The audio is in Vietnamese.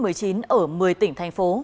ở một mươi tỉnh